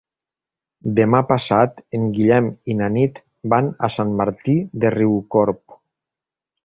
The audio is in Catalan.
Demà passat en Guillem i na Nit van a Sant Martí de Riucorb.